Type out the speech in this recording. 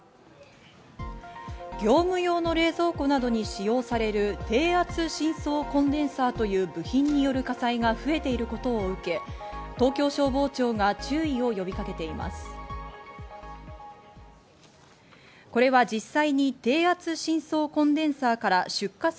業務用の冷蔵庫などに使用される低圧進相コンデンサーという部品による火災が増えていることを受け、東京消防庁が注意を呼びかけています。